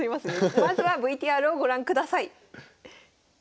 まずはＶＴＲをご覧ください。